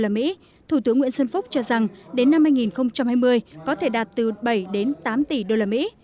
tại mỹ thủ tướng nguyễn xuân phúc cho rằng đến năm hai nghìn hai mươi có thể đạt từ bảy đến tám tỷ usd